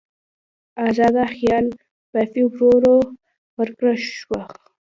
ازاده خیال بافي ورو ورو ورکه شوه.